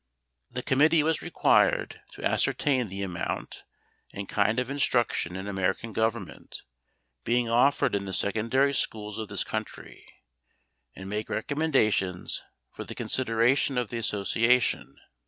The committee was required to ascertain the amount and kind of instruction in American Government being offered in the secondary schools of this country and make recommendations for the consideration of the association.